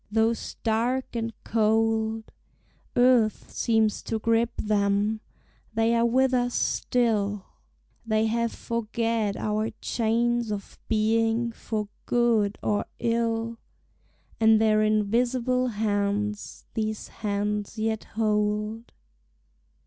Though stark and cold Earth seems to grip them, they are with us still: They have forged our chains of being for good or ill; And their invisible hands these hands yet hold.